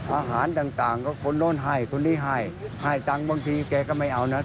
อาหารต่างก็คนโน้นให้คนนี้ให้ให้ตังค์บางทีแกก็ไม่เอานะ